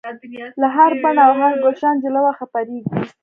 له هر بڼ او هر ګلشن جلوه خپریږي